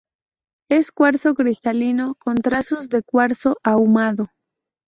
Es cuarzo cristalino, con trazos de cuarzo ahumado.